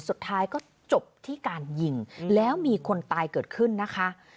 สุดท้ายก็จบที่การยิงแล้วมีคนตายเกิดขึ้นนะคะ